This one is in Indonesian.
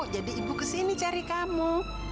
jadi ibu kesini cari kamu